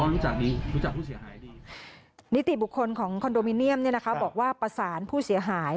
นิติบุคคลของคอนโดมิเนียมบอกว่าประสานผู้เสียหาย